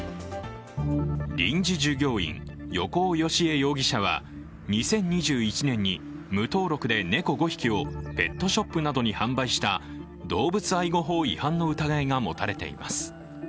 臨時従業員、横尾恵枝容疑者は２０２１年に無登録で猫５匹をペットショップなどに販売した動物愛護法違反の疑いが持たれています。